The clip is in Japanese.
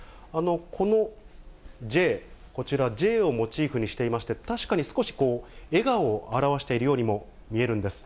このＪ、こちらＪをモチーフにしていまして、確かに少しこう、笑顔を表しているようにも見えるんです。